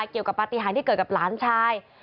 เกี่ยวกับปฏิหารที่เกิดกับหลานชาย